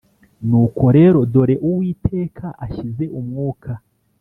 Nuko rero dore Uwiteka ashyize umwuka